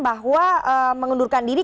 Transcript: bahwa mengundurkan diri